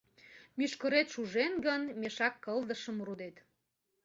Мӱшкырет шужен гын, мешак кылдышым рудет.